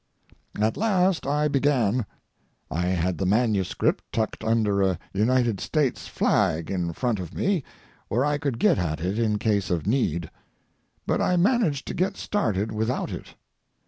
At last I began. I had the manuscript tucked under a United States flag in front of me where I could get at it in case of need. But I managed to get started without it.